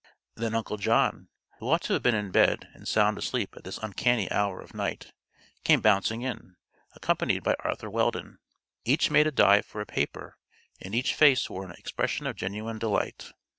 Then Uncle John, who ought to have been in bed and sound asleep at this uncanny hour of night, came bouncing in, accompanied by Arthur Weldon. Each made a dive for a paper and each face wore an expression of genuine delight.